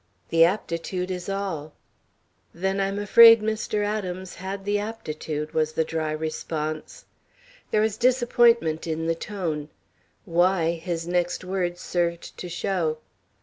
The aptitude is all." "Then I'm afraid Mr. Adams had the aptitude," was the dry response. There was disappointment in the tone. Why, his next words served to show.